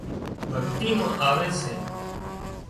ڀڳتي مان آوي سي